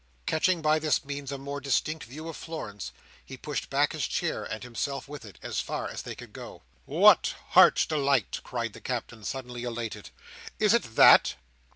Catching by this means a more distinct view of Florence, he pushed back his chair, and himself with it, as far as they could go. "What! Heart's Delight!" cried the Captain, suddenly elated, "Is it that?"